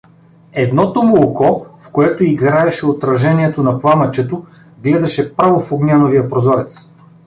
Едното му око, в което играеше отражението на пламъчето, гледаше право в Огняновия прозорец.